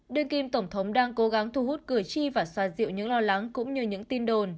đơn kim tổng thống đang cố gắng thu hút cửa chi và xoa dịu những lo lắng cũng như những tin đồn